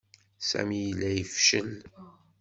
Sami yella yefcel.